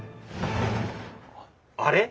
あれ？